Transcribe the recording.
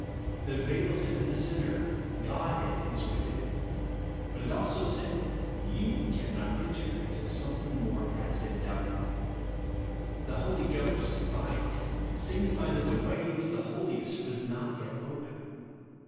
The veil said to the sinner, Godhead is within ; but it also said, You cannot enter till some thing more has been done. The Holy Ghost, by it, signified that the way into the Hohest was not yet open.